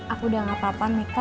aku udah gak apa apa miko